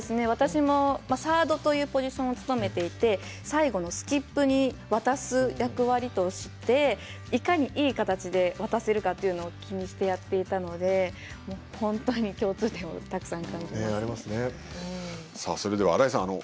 私もサードというポジションを務めていて最後のスキップに渡す役割としていかに、いい形で渡せるかというのを気にしてやっていたので本当に共通点は新井さん